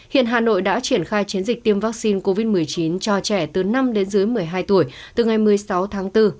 hiện hà nội đã triển khai chiến dịch tiêm vaccine covid một mươi chín cho trẻ từ năm đến dưới một mươi hai tuổi từ ngày một mươi sáu tháng bốn